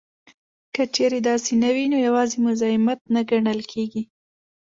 که چېرې داسې نه وي نو یوازې مزاحمت نه ګڼل کیږي